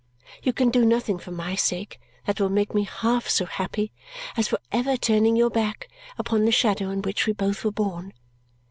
You can do nothing for my sake that will make me half so happy as for ever turning your back upon the shadow in which we both were born.